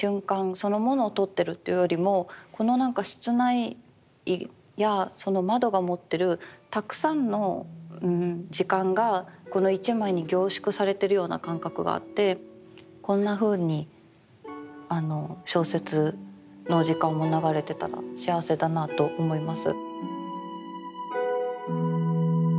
そのものをとってるっていうよりもこのなんか室内やその窓が持ってるたくさんの時間がこの一枚に凝縮されてるような感覚があってこんなふうに小説の時間も流れてたら幸せだなと思います。